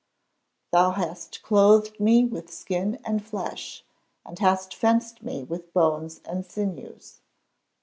[Verse: "Thou hast clothed me with skin and flesh, and hast fenced me with bones and sinews."